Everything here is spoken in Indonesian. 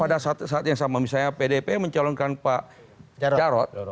pada saat yang sama misalnya pdip mencalonkan pak jarod